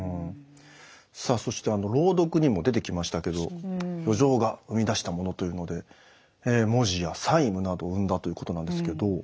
さあそしてあの朗読にも出てきましたけど余剰が生み出したものというので文字や債務などを生んだということなんですけど。